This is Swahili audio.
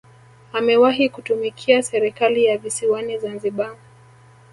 Amewahi kutumikia serikali ya visiwani Zanzibar